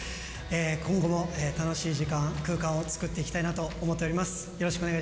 今後も楽しい時間、空間を作っていきたいなと思っております。